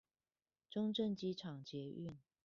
中正機場捷運